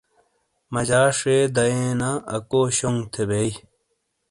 مجا شے دئیینا اکو شونگ تھے بئیی۔